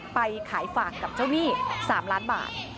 ไปขายฝากกับเจ้าหนี้๓ล้านบาท